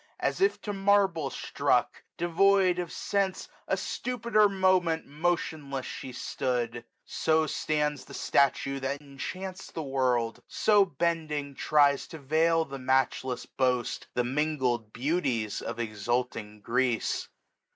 As if to marble struck, devoid of sense, A stupid moment motionless she stood : 1345 So stands the statue that enchants the world ; So bending tries to veil the matchless boast. The mingled beauties of exulting Greece.